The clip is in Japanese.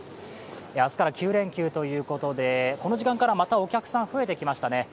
明日から９連休ということでこの時間からまたお客さん増えてきましたね。